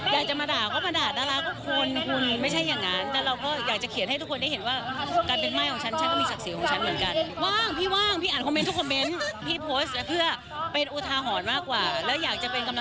อยากจะมาด่าก็มาด่าดาราก็คนคุณไม่ใช่อย่างนั้นแต่เราก็อยากจะเขียนให้ทุกคนได้เห็นว่า